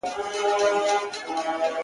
په زر چنده مرگ بهتره دی_